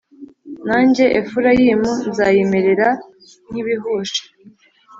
Nanjye, Efurayimu nzayimerera nk’ibihushi,